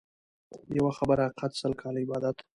يوه خبره حقيقت ، سل کاله عبادت.